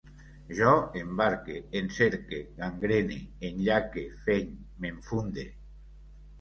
Jo embarque, encerque, gangrene, enllaque, feny, m'enfunde